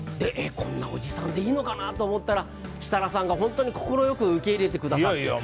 こんなおじさんでいいのかな？と思ったら設楽さんが本当に快く受け入れてくださって。